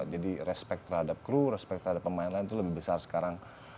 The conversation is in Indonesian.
jadi respect terhadap crew respect terhadap pemain lain itu lebih besar sekarang